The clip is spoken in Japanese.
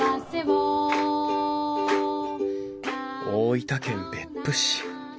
大分県別府市。